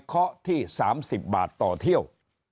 เคาะที่๓๐บาทต่อเที่ยว